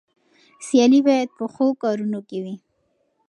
سيالي بايد په ښو کارونو کې وي.